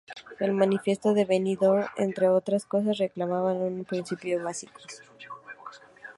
El "Manifiesto de Benidorm", entre otras cosas, reclamaba unos principios básicos.